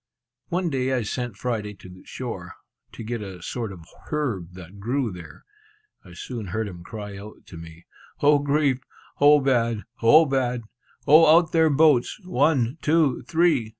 One day I sent Friday to the shore, to get a sort of herb that grew there. I soon heard him cry out to me, "O grief! O bad! O bad! O out there boats, one, two, three!"